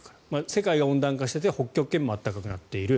世界が温暖化していて北極圏も暖かくなっている。